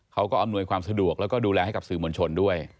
อำนวยความสะดวกแล้วก็ดูแลให้กับสื่อมวลชนด้วย